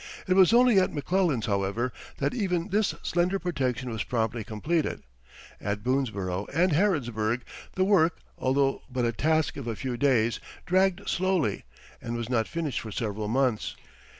It was only at McClellan's, however, that even this slender protection was promptly completed; at Boonesborough and Harrodsburg the work, although but a task of a few days, dragged slowly, and was not finished for several months.